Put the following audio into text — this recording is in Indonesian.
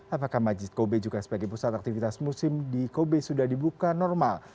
apakah majid kobe juga sebagai pusat aktivitas musim di kobe sudah dibuka normal